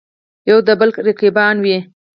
یودبل رقیبان وي.